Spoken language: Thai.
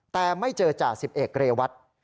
แต่ไม่เจอจ่าสิบเอกเรวัต